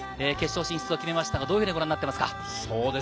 決勝進出を決めましたが、どのようにご覧になっていますか？